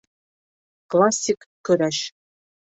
Классик көрәш